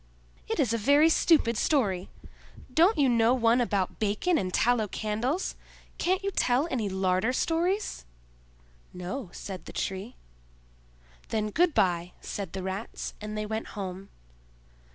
"It is a very stupid story! Don't you know one about bacon and tallow candles? Can't you tell any larder stories?" "No," said the Tree. "Then good by," said the Rats and they went home.